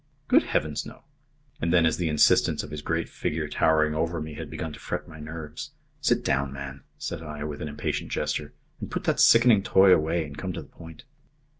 "Good Heavens, no." And then as the insistence of his great figure towering over me had begun to fret my nerves "Sit down, man," said I, with an impatient gesture, "and put that sickening toy away and come to the point."